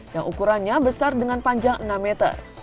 yang ukurannya besar dengan panjang enam meter